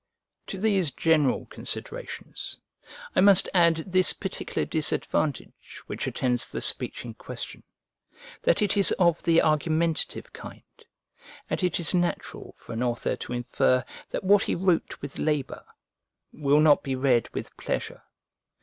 To these general considerations I must add this particular disadvantage which attends the speech in question, that it is of the argumentative kind; and it is natural for an author to infer that what he wrote with labour will not be read with pleasure.